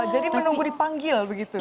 jadi menunggu dipanggil begitu